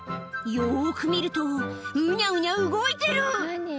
よく見ると、うにゃうにゃ動いてる。